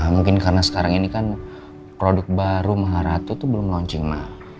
mungkin karena sekarang ini kan produk baru maharatu itu belum launching mah